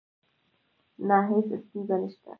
نه، هیڅ ستونزه نشته